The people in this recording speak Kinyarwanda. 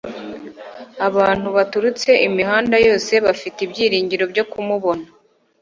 abantu baturutse imihanda yose bafite ibyiringiro byo kumubona.